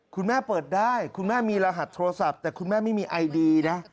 คุณแม่เปิดได้คุณแม่มีรหัสโทรศัพท์แต่คุณแม่ไม่มีไอดีนะ